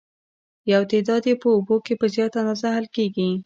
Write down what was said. یو تعداد یې په اوبو کې په زیاته اندازه حل کیږي.